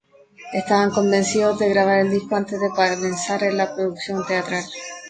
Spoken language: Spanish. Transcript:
Estaban convencidos de grabar el disco antes de pensar en la producción teatral.